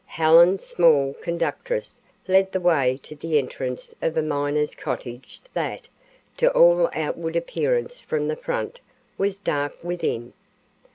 Helen's small conductress led the way to the entrance of a miner's cottage that, to all outward appearance from the front, was dark within.